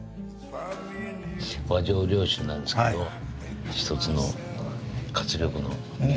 和醸良酒なんですけど一つの活力の源ですね。